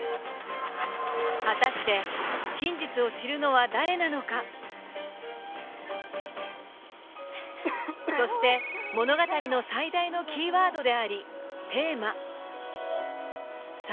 果たして真実を知るのは誰なのかそして物語の最大のキーワードでありテーマ